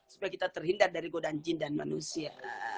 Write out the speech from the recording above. supaya kita terhindar dari godan jin dan manusia